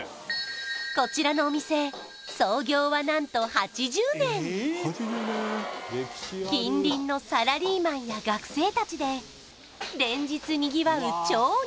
こちらのお店創業はなんと８０年近隣のサラリーマンや学生たちで連日にぎわう